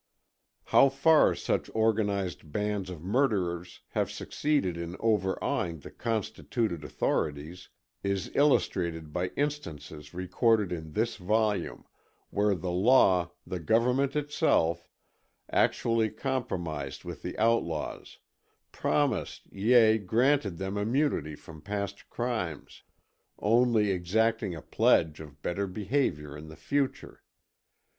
How far such organized bands of murderers have succeeded in overawing the constituted authorities, is illustrated by instances recorded in this volume, where the law, the government itself, actually compromised with the outlaws, promised, yea, granted them immunity from past crimes, only exacting a pledge of better behavior in the future.